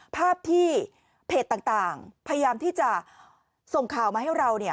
ภาพที่เพจต่างพยายามที่จะส่งข่าวมาให้เรา